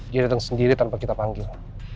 dia datang sendiri tanpa kita panggil